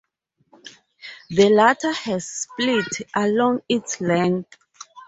The latter has split along its length.